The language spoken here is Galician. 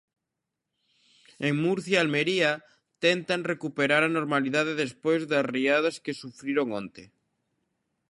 En Murcia e Almería tentan recuperar a normalidade despois das riadas que sufriron onte.